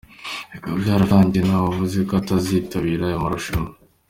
Bikaba byararangiye nawe avuze ko atazitabira aya marushanwa.